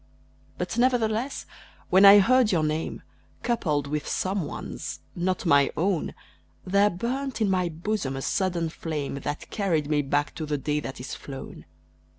But, nevertheless, when I heard your name, Coupled with some one's, not my own, There burned in my bosom a sudden flame, That carried me back to the day that is flown.